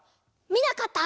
みなかった？